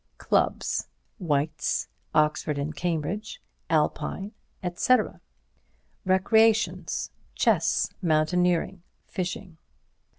Clubs: White's; Oxford and Cambridge; Alpine, etc. Recreations: Chess, Mountaineering, Fishing.